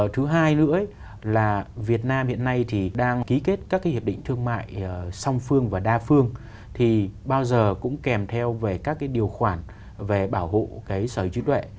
thứ hai nữa là việt nam hiện nay thì đang ký kết các cái hiệp định thương mại song phương và đa phương thì bao giờ cũng kèm theo về các điều khoản về bảo hộ cái sở hữu trí tuệ